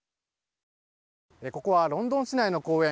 ここはロンドン市内の公園